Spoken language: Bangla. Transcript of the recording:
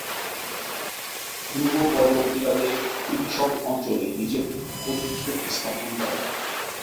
ধ্রুব পরবর্তীকালে এই সব অঞ্চলে নিজের কর্তৃত্ব স্থাপন করেন।